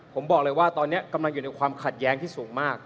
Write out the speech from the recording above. ผมบอกเลยว่าตอนนี้กำลังอยู่ในความขัดแย้งที่สูงมาก